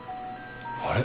あれ？